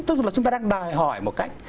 tức là chúng ta đang đòi hỏi một cách